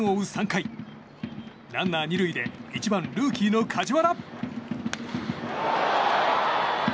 ３回ランナー２塁で１番、ルーキーの梶原。